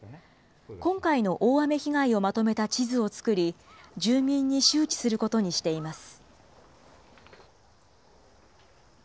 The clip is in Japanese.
今回の大雨被害をまとめた地図を作り、住民に周知することにしています。